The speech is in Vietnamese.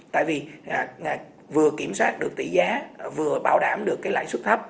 tại vì vừa kiểm soát được tỷ giá vừa bảo đảm được lãi xuất thấp